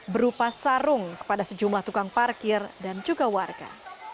berupa sarung kepada sejumlah tukang parkir dan juga warga